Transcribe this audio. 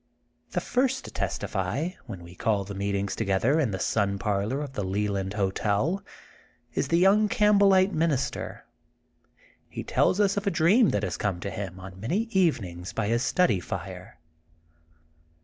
The first to testify, when we call the members together in the Sun Parlor of the Leland Hotel is the young Oampbellite min ister. He tells us of a dream that has come to him on many evenings by his study fire.